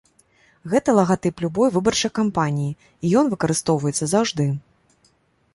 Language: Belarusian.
Гэта лагатып любой выбарчай кампаніі і ён выкарыстоўваецца заўжды.